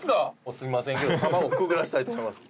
すいませんけど卵くぐらせたいと思います。